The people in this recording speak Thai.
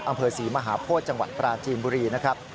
อำเภอศรีมหาโพธิจังหวัดปราจีนบุรีนะครับ